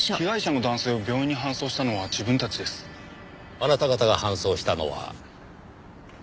あなた方が搬送したのは。